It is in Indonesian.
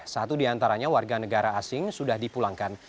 satu diantaranya warga negara asing sudah dipulangkan